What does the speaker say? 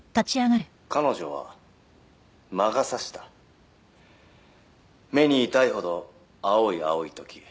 「彼女は魔が差した」「目に痛いほど青い青いとき」